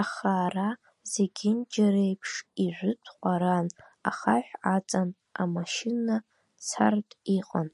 Аха, ара, зегьынџьареиԥш, ижәытә ҟәаран, ахаҳә аҵан, амашьына цартә иҟан.